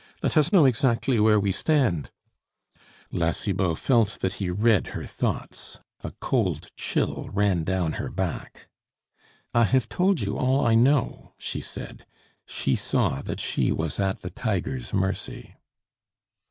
Let us know exactly where we stand." La Cibot felt that he read her thoughts. A cold chill ran down her back. "I have told you all I know," she said. She saw that she was at the tiger's mercy.